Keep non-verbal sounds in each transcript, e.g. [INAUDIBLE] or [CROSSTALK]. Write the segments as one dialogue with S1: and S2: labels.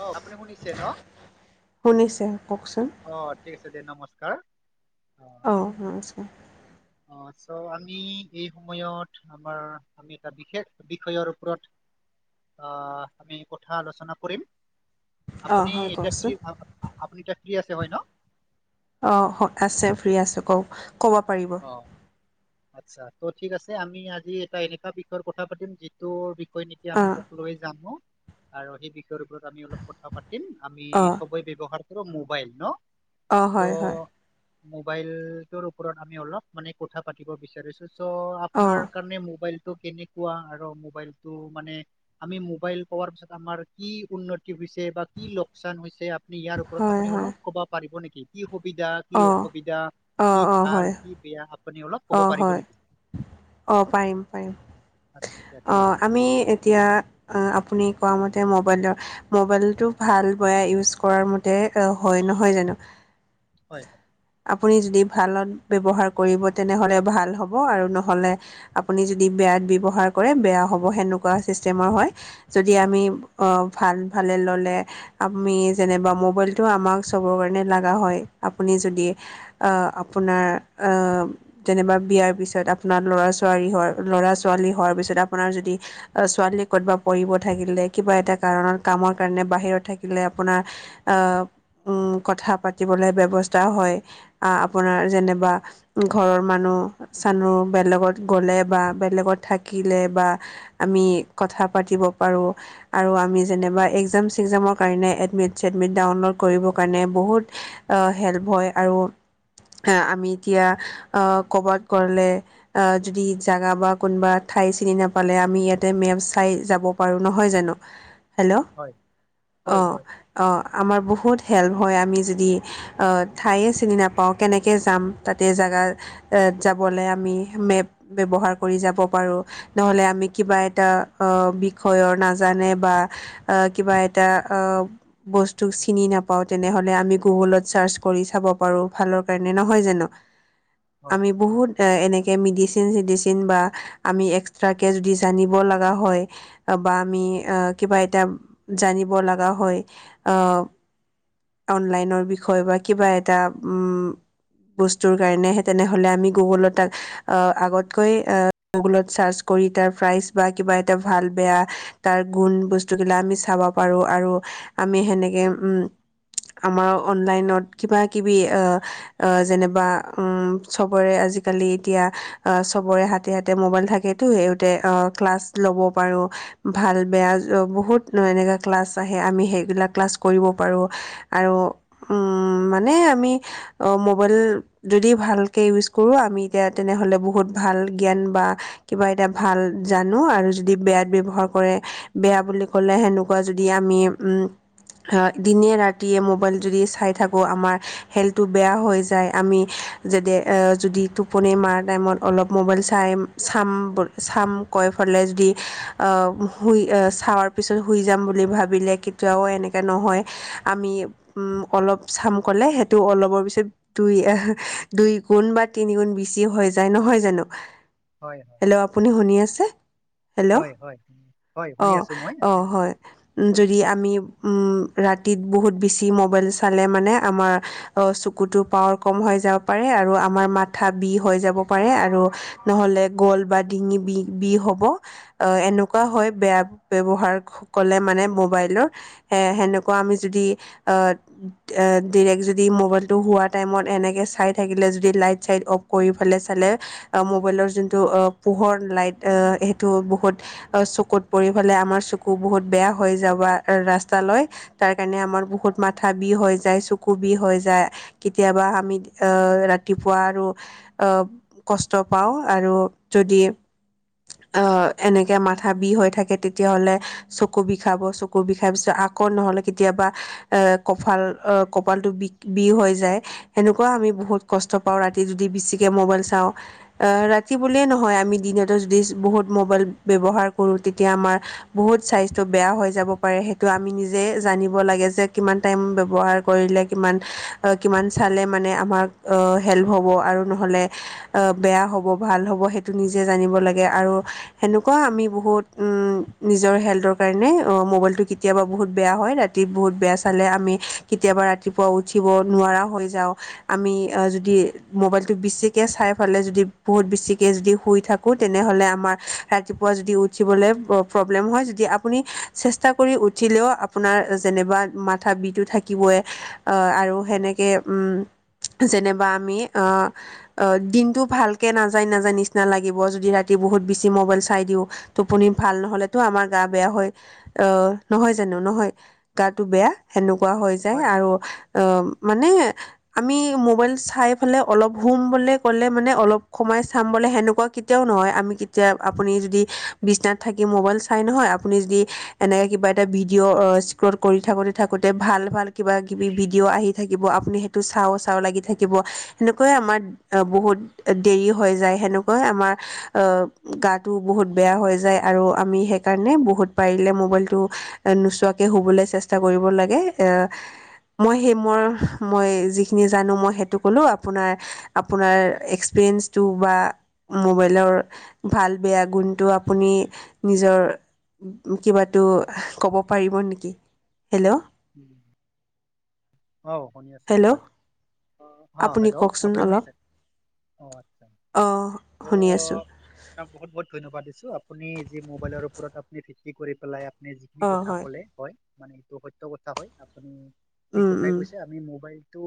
S1: অ আপুনি শুনিছে ন
S2: শুনিছে কওকচোন?
S1: অ' ঠিক আছে দে নমস্কাৰ। অ
S2: অঁ নমস্কাৰ।
S1: অ' চ' আমি এই সময়ত আমাৰ আমি এটা বিশেষ বিষয়ৰ ওপৰত অহ আমি কথা আলোচনা কৰিম।
S2: অ
S1: আপুনি
S2: হয়
S1: এতিয়া ফ্ৰী
S2: কওকচোন
S1: আ আপুনি এতিয়া। ফ্ৰী আছে হয় ন
S2: অ আছে ফ্ৰী আছো কওক? ক'ব পাৰিব।
S1: অ আচ্ছা ত' ঠিক আছে আমি আজি এটা এনেকা বিষয়ৰ কথা পাতিম যিটোৰ সেই যেতিয়া
S2: অ
S1: আমি সকলোৱে জানো আৰু সেই বিষয়ৰ ওপৰত আমি অলপ কথা পাটো। আমি
S2: অ
S1: সবে ব্যৱহাৰ কৰো মোবাইল ন
S2: অ হয় হয়
S1: মোবাইল টোৰ ওপৰত আমি অলপ মানে কথা পাতিব বিচাৰিছো চ'
S2: অ
S1: আপোনাৰ কাৰণে মোবাইল ত কেনেকুৱা আৰু মোবাইলতটো মানে আমি মোবাইল পোৱাৰ পিছত আমাৰ কি উন্নত [UNINTELLIGIBLE] টি হৈছে বা কি লকচান হৈছে আপুনি ইয়াৰ ওপৰত
S2: হয়
S1: আপুনি
S2: হয়
S1: অলপ ক'ব পাৰিব নেকি কি? সুবিধা কি
S2: অ
S1: অসুবিধা
S2: অ
S1: কি
S2: অ
S1: ভাল
S2: হয়
S1: কি বেয়া আপুনি অলপ কব
S2: অ
S1: পাৰিব
S2: হয়
S1: নেকি?
S2: অ পাৰিম পাৰিম
S1: আচ্ছা ঠিক
S2: অ
S1: আছে হ'ব
S2: আমি এতিয়া আপুনি কোৱা মতে ম [UNINTELLIGIBLE] ম'বাইলটো ভাল বেয়া ইউচ কৰাৰ মতে হয় নহয় জানো
S1: হয়
S2: আপুনি যদি ভালত ব্যৱহাৰ কৰিব তেনেহ'লে ভাল হ'ব আৰু নহ'লে আপুনি যদি বেয়া য়াত ব্যৱহাৰ কৰে বেয়া হ'ব সেনেকুৱা চিষ্টেমৰ হয় যদি আমি অ ভাল ভালে ললে আমি যেনেবা মোবাইলটো আমাক চবৰ কাৰণে লাগা হয় আপুনি যদি অ আপোনাৰ অ যেনিবা বিয়াৰ পিছত আপোনাৰ লৰা ছোৱালী হয় [UNINTELLIGIBLE] ল'ৰা ছোৱালী হোৱাৰ পিছত আপোনাৰ যদি ছোৱালী কতবা প়ঢ়িব থাকিলে কিবা এটা কাৰণত কাম [UNINTELLIGIBLE] কাৰণে বাহিৰত থাকিলে আপোনাৰ কথা পাতিবলৈ ব্যৱস্থা হয় অ আপোনাৰ যেনেবা ঘৰৰ মানুহ চানূ বেলেগত গ'লে বা [UNINTELLIGIBLE] বেলেগত থাকিলে বা আমি কথা পাতিব পাৰো আৰু আমি যেনেবা এ একজাম চেকজামৰ কাৰণে এডমিট চেডমিট ডাউনলোড কৰিব কাৰণে বহুত হেল্প হয় আৰু আমি এতিয়া অ কবাত গ'লে এ যদি জাগা বা কোনবা থা ঠাই চিনি নাপালে আমি ইয়াতে মেপ চাই যাব পাৰোঁ নহয় জানো হেল্ল'
S1: হয় হয়
S2: অঁ
S1: হয়
S2: অঁ আমাৰ বহুত হেল্প হয় আমি যদি অ ঠায়ে চিনি নাপাওঁ কেনেক যাম তাতে জাগাৰ যাবলৈ আমি মেপ বে ব্যৱহাৰ কৰি যাব পাৰোঁ নহ'লে আমি কিবা এটা বিষয়ৰ নাজানে বা কিবা এটা বস্তু চিনি নাপাওঁ তেনেহ'লে আমি গুগলত চাৰ্চ কৰি চাব পাৰো ভালৰ কাৰণে নহয় জানো
S1: হয়
S2: আমি বহুত এনে মেডিচিন চেডিচিন বা আমি এস্ৰাকে যদি জানিব লগা হয় বা আমি আমি কিবা এটা জানিব লাগা হয় আ অনলাইনৰ বিষয়ে বা কিবা এটা বস্তৰ কাৰণে তেনেহলে আমি গুগলত আগতকৈ গুলত চাৰ কৰ কৰি তাৰ প্ৰাইচ বা কিবা এটা ভাল বেয়া তাৰ গুণ বস্তুবিলাক আমি চাব পাৰোঁ আৰু আমি সেনেকে উম আমাৰ অনলাইনত কিবা কিবি যেনে বা চবৰে আজিকালি এতিয়া চবৰে হাতে হাতে মবাইল থাকেতো সহতে ক্লাছ লব পাৰো ভাল বে বহুত এনেকুৱা ক্লাছ আহে আমি সেইবিলাক ক্লাছ কৰিব পাৰোঁ আৰু উ মানে আমি মোবাইল যদি ভালক কৰো আমি এতিয়া তেনেহলে বহুত ভাল জ্ঞান বা কিবা এটা ভাল জানো আৰু যদি বেয়াত ব্যৱহাৰ কৰে বেয়া বুলি কলে হেনেকুৱা যদি আমি অ দিনে ৰাতিয়ে মোবাইল যদি চাই থাকোঁ আমাৰ হেল্থটো বেয়া হৈ যায় আমি যেদি যদি টোপনি মাৰ টাইমত অলপ মোবাইল চাইয়ে চাম বু চাম কৈ পেলে যদি আ শুই আ চোৱাৰ পিছত শুই যাম বুলি ভাবিলে কেতিয়াও এনেকৈ নহয় আমি অলপ চাম কলে সেইটো অলপৰ পিছত দুই দুই গুণ বা তিনি গুণ বেছি হৈ যায় নহয় নহয় জানো
S1: হয়
S2: হেল্ল' আপুনি শুনি আছে! হেল্ল'
S1: হয় হয় হয় হয় উম, হয়, শুনি
S2: অঁ
S1: আছো মই
S2: অঁ
S1: আপুনি
S2: হয় যদি আমি উ ৰাতিত বহুত বেছি মবাইল চা পেলে মানে আমাৰ অ চকুটো পাৱাৰ কম হৈ যাব পাৰে আৰু আমাৰ মাঠা বিষ হৈ যাব পা পাৰে আৰু নহলে গল বা ডিঙি বি বিষ হ'ব এনেকুৱা হয় বেয়া ব্যৱহাৰ ক'লে মানে মোবাইলৰ সেনেকুৱা আমি যদি অ ডিৰেক্ট যদি মোবাইলটো হোৱা টাইমত এনেকে চাই থাকিলে যদি লাইট চাইট অফ কৰি পেলাই চালে মোবাইলৰ যোনটো পোহৰ লাইট অ সেইটো বহুত চকুট পৰি পেলে আমাৰ চকু বহুত বেয়া হৈ যাব ৰাস্তা লৈ তাৰ কাৰণে আমাৰ বহুত মাথা বিষ হৈ যায় চকু বিষ হৈ যায় কেতিয়াবা আমি আহ ৰাতিপুৱা আৰু আহ কষ্ট পাওঁ আৰু যদি
S1: [UNINTELLIGIBLE]
S2: অ এনেকে মাথা বিষ হৈ থাকে তেতিয়াহলে চকু বিষাব চকু বিষাই পিছত আকৌ নহ কেতিয়াবা এ কপাল কপালটো বি বিষ হৈ যায় সেনেকুৱা আমি বহুত কষ্ট পাওঁ ৰাতি যদি বেছিকৈ মোবাইল চাওঁ ৰাতি বুলিয়ে নহয় আমি দিনত য বহুত মবাইল বয়ৱহাৰ কৰো তেতিয়া আমাৰ বহুত চাইজটো বেয়া হৈ যাব পাৰে সেইটো আমি নিজে জানিব লাগে যে কিমান টাইম ব্যৱহাৰ কৰিলে কিমান অ কিমান চালে মানে আমাক অ হেল্প হ'ব আৰু নহলে অ বেয়া হ'ব ভাল হ'ব সেইটো নিজে জানিব লাগে আৰু সেনেকুৱা আমি বহুত উ নাজৰ হেলথৰ কাৰনে অ মবাইলটো কেতিয়াবা বহুত বেয়া হয় ৰাতি বহুত বেয়া চালে আমি কেতিয়াবা ৰাতিপুৱা উঠিব নোৱাৰা হৈ যাওঁ আমি যদি মোবাইলটো বেছিকে চাই পেলে যদি বহুত বেছিকে যদি শুই থাকো তেনেহ'লে আমাৰ ৰাতিপুৱা যদি উঠিবলৈ প্ৰব্লেম হয় যদি আপুনি চেষ্টা কৰি উঠিলেও আপোনাৰ যেনিবা মাথা বিষটো থাকিবই অ আৰু
S1: হয়
S2: সেনেকে উ যেনেবা আমি অ দিনটো ভালকৈ নাযায় নাযায় নিচিনা লাগে গিব যদি ৰাতি বহুত বেছি মোবাইল চাই দিওঁ টোপনি ভাল নহলেটো আমাৰ গা বেয়া হৈ অ নহয় জানো নহয় গাটো বেয়া সেনেকুৱা হৈ যায়
S1: হয়
S2: আৰু অ মানে আমি মোবাইল চাই ফেলে অলপ হুম বুলি ক'লে মানে অলপ সোমাই চাম বুলি সেনেকুৱা কেতিয়াও নহয় আমি কেতিয়া আপুনি যদি বিছ দনাত থাকি মোবাইল চাই নহয় আপুনি যদি এনেকৈ কিবা এটা ভিডিঅ' স্কল কৰি থাকোঁতে থাকোঁতে ভাল ভাল কিবা কিবি ভিডিঅ' আহি থাকিব আপুনি চা চা লাগি থাকিব সেনেকে আমাৰ বহুত দেৰি হৈ যায় [UNINTELLIGIBLE] শ এ [UNINTELLIGIBLE] মই সেই মই মই যিখিনি জানো মই হেতু কলু আপোনাৰ আপোনাৰ পেন্টোু বা মোবাইলৰ ভাল বেয়া গুণটো আপুনি নিজৰ কিবাটো ক'ব পাৰিব নেকি হেল্ল'
S1: আহ শুনি আছো
S2: হেল্ল'
S1: হয় অ হেল্ল' আপুনি শুনিছে অ আচ্ছা
S2: আহ
S1: ত' তাক বহুত বহুত ধন্যবাদ দিছে আপুনি যি মোবাইলৰ ওপৰত আপুনি ভিত্তি কৰি পেলাই আপুনি যিখিনি কথা ক'লে হয় মানে এইটো সত্য কথা হয় আপুনি ঠিক
S2: উম
S1: কথাই
S2: উম
S1: কৈছে আমি মোবাইলটো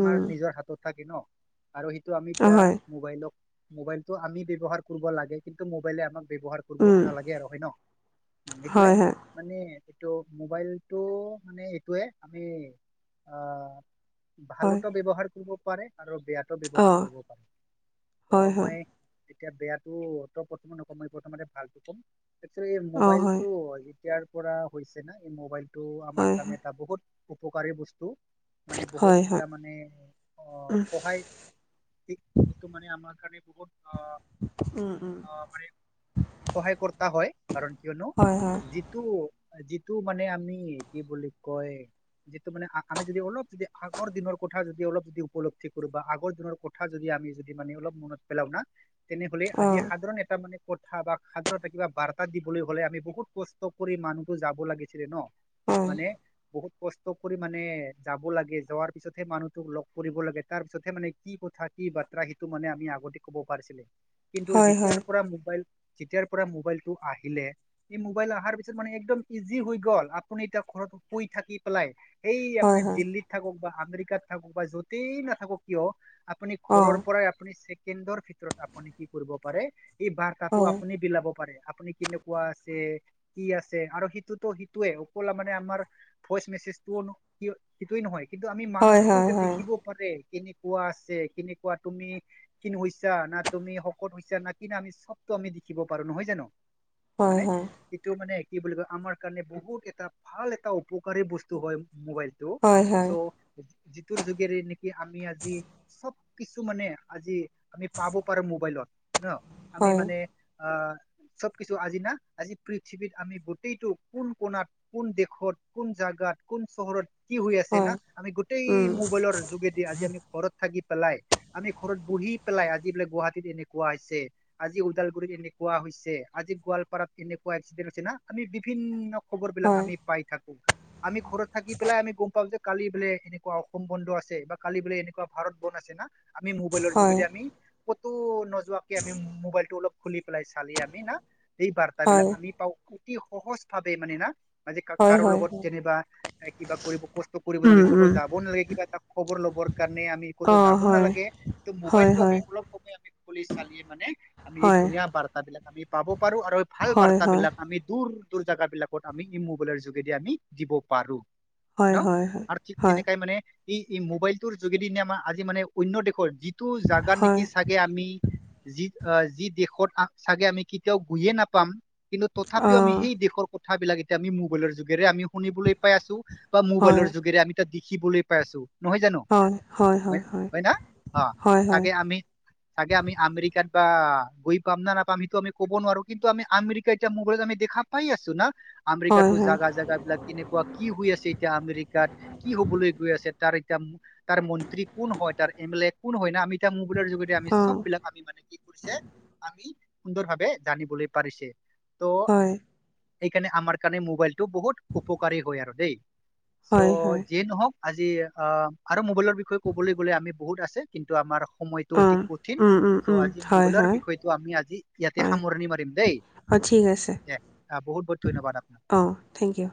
S1: আমাৰ
S2: উম
S1: নিজৰ হাতত থাকে ন আৰু সেইটো আমি এতিয়া আৰু
S2: হয়
S1: আমি মোবাইলক মোবাইলতটো আমি ব্যৱহাৰ কৰিব লাগে কিন্তু মোবাইলে আমাক ব্যৱহাৰ
S2: উম
S1: কৰিব নালাগে আৰু হয় ন সেইটোয়ে
S2: হয় হয়
S1: মানে এইটো মোবাইলটো মানে এইটোৱে আমি আহ
S2: হয়
S1: ভালতো ব্যৱহাৰ কৰিব পাৰে আৰু বেয়াতো ব্যৱহাৰ
S2: অঁ
S1: কৰিব পাৰে ত
S2: হয়
S1: মই
S2: হয়
S1: তেতিয়া বেয়াতো তই বৰ্তমান নকম প্ৰত ভালো কম এই
S2: অঁ হয়
S1: মোবাইলটো এতিয়াৰ পৰা হৈছে না এই মোবাইলটো আমাৰ
S2: হয় হয়
S1: কাৰণে এটা বহুত উপকাৰী বস্তু মানে বহুত
S2: হয়
S1: এটা
S2: হয়
S1: মানে আহ
S2: উম
S1: সহায় একটো মানে আমাৰ কাৰণে বহুত আহ
S2: উম উম
S1: আহ মানে সহায় কৰা হয় কাৰণ কিয়নো
S2: হয় হয়
S1: যিটো যিটো মানে আমি কি বুলি কয় যিটো মানে আমি যদি অলপ যদি আগৰ দিনৰ কথা যদি অলপ যদি উপল্ধি কৰো বা আগৰ দিনৰ কথা যদি আমি যদি অল মনত পেলাও না তেনেহলে আজি
S2: অঁ
S1: সাধাৰণ এটা মানে কথা বা সাধাৰণতে কিবা বাৰ্তা দিবলৈ হ'লে আমি বহুত কষ্ট কৰি মানুহো যাব লাগিছিলে ন।
S2: হয় হয়
S1: মানে বহুত কষ্ট কৰি মানে যাব লাগে যোৱাৰ পিছতহে মানুহটোক লগ কৰিব লাগে তাৰ পিছতহে মানে কি কথা কি বাত্ৰা সেইটো মানে আমি আগতে কব পাৰিছিলে কিন্তু
S2: হয়
S1: যেতিয়াৰ
S2: হয়
S1: পৰা মোবাইল যেতিয়াৰ পৰা মোবাইলটো আহিলে এই মোবাইল আহাৰ পিছত মানে একদম ইজি হৈ গল আপুনি এতিয়া ঘৰতো শুই থাকি পেলাই এই আপুনি
S2: হয়।
S1: দিল্লীত থাকক বা আমেৰিকাত থাকো বা যতেই নাথাকো কিয় আপুনি ঘৰৰ
S2: অ',
S1: পৰাই আপুনি কেন্দ্ৰৰ ভিতৰত আপুনি কি কৰিব পাৰে এই বাৰ্তাটো
S2: অ',
S1: আপুনি বিলাব পাৰে। আপুনি কেনেকুৱা আছে কি আছে আৰু সিটোতো সিটোৱে অকল আমাৰ আমাৰ ভইচ মেছেজ সেইটোৱে নহয় কিন্তু আমি
S2: হয়,
S1: মানুহটোকো
S2: হয়,
S1: এতিয়া
S2: হয়,
S1: দেখিব পাৰে। কেনেকুৱা আছে কেনেকুৱা তুমি খিন হৈছা তুমি শকত হৈছা না কি আমি চব আমি দেখিব পাৰো নহয় জানো,
S2: হয়,
S1: মানে
S2: হয়,
S1: এইটো মানে কি বুলি কয় আমাৰ কাৰণে বহুত এটা ভাল এটা উপকাৰী বস্তু হয় মোবাইলটো
S2: হয়, হয়,
S1: চ' যটোুৰ যুগে কি আমি আজি চব কিছু মানে আজি আমি পাব পাৰো মোবাইলত। ন আমি
S2: হয়,
S1: মানে আ চব কিছু আজি না আজি পৃথিৱীত আমি গোটেইটো কোন কণাত কোন দেশত কোন জাগাত কোন চহৰত কি হৈ আছে
S2: হয়,
S1: না আমি গোটেই
S2: উম,
S1: মোবাইলৰ যোগেদি আজি আমি ঘৰত থাকি পেলাই আমি ঘৰত বহি পেলাই আজি বোলে গুৱাহাটীত এনেকুৱা হৈছে আজি ওদালগুৰিত এনেকুৱা আজি গোৱালপাৰাত এনেকুৱা একছিডেন হৈছে না আমি বিভিন্ন খবৰ বিলাক
S2: হয়,
S1: আমি পাই থাকো। আমি ঘৰত থাকি পেলাই আমি গম পাওঁ যে কালি বোলে এনেকুৱা অসম বন্ধ আছে বা কালি বোলে এনেকুৱা ভাৰত বন আছে না আমি মোবাইলৰ
S2: হয়,
S1: যোগেদি আমি কতো নোযোৱাকে আমি মোবাইল টো অলপ খুলি পেলাই চালি আমি না এই বাৰ্তা
S2: হয়,
S1: বিলাক আমি পাওঁ অতি সহজ ভাৱে মানে না। ম
S2: হয়,
S1: কাৰো
S2: হয়,
S1: লগত
S2: হয়
S1: যেনিবা কিবা কৰিব কষ্ট কৰিব
S2: উম,
S1: নালাগে ক'তো
S2: উম,
S1: যাব নালাগে কিবা ত খবৰ ল'ব। আমি ক'তো
S2: অ',
S1: যাব
S2: হয়,
S1: নালাগে
S2: হয়,
S1: মোবাইলটো আমি
S2: হয়,
S1: অলপ সময় খলি চালি মানে আম এই
S2: হয়,
S1: ধুনীয়া বাৰ্তা বিলাক আমি পাব পাৰো আৰু ভাল
S2: হয়,
S1: বাৰ্তা
S2: হয়,
S1: বিলাক আমি দূৰ দূৰ জাগা বিলাকত আমি মোবাইলৰ যোগেদি আমি দিব পাৰো ন
S2: হয়, হয়, হয়,
S1: আৰু ঠিক
S2: হয়,
S1: তেনেকাই মানে এই এই মোবাইলটোৰ যোগেদি নে আমাৰ আজি মানে অন্য দেশৰ যি টো জাগা নেকি
S2: হয়,
S1: চাগে আমি যি আহ যি দেশত চাগে আমি কেতিয়াও গৈয়ে নাপাম কিন্তু তথাপিও আমি
S2: অ',
S1: সেই দেশৰ কথাবিলাক এতিয়া আমি মোবাইলৰ যুগেৰে আমি শুনিবলৈ পাই আছো বা
S2: হয়,
S1: মোবাইলৰ যোগেৰে আমি তাক দেখিবলৈ পাই আছো। নহয় জানো? হয় হয় না অ
S2: হয়, হয়,
S1: চাগে আমি চাগে আমি আমেৰিকাত বা গৈ পাম না নাপাম সেইটো আমি ক'ব নোৱাৰো কিন্তু আমি আমেৰিকা এতিয়া মোবাইলত আমি দেখা পাই আছো না।
S2: হয়,
S1: আমেৰিকাটো
S2: হয়, হয়,
S1: জাগা জাগা বিলাক কেনেকুৱা, কি হৈ আছে এতিয়া আমেৰিকাত, কি হবলৈ গৈ আছে তাৰ তাৰ মন্ত্ৰী কোন হয় তাৰ এম এল এ কোন হয় না আমি এতিয়া মোবাইলৰ যোগেদি আমি চব
S2: অ',
S1: বিলাক আমি মানে কি কৰিছে আমি সুন্দৰ ভাৱে জানিবলৈ পাৰিছে।
S2: হয়।
S1: সেইকাৰণে আমাৰ কাৰণে মোবাইলটো বহুত উপকাৰী হয় আৰু দেই,
S2: হয়,
S1: চ'
S2: হয়,
S1: যিয়ে নহক আজি অ আৰু মোবাইলৰ বিষয়ে ক'বলৈ গ'লে আমি বহুত আছে কিন্তু আমাৰ সময়টো অতি
S2: অ',
S1: কঠিন।
S2: উম, উম,
S1: চ'
S2: উম,
S1: আজি
S2: হয়,
S1: মোবাইলৰ
S2: হয়,
S1: বিষয়টো আমি আজি ইয়াতে
S2: হয়,
S1: সামৰণি মাৰিম দেই।
S2: অ', ঠিক
S1: দে বহুত-বহুত ধন্যবাদ আ
S2: অঁ থেংক ইউ।